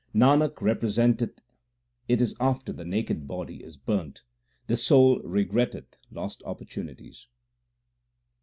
Nanak represent eth, it is after the naked body is burnt the soul regretteth lost opportunities.